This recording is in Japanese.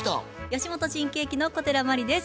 吉本新喜劇の小寺真理です。